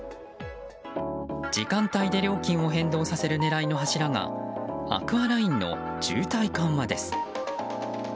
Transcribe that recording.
時間帯で料金を変動させる狙いの柱がアクアラインの渋滞緩和です。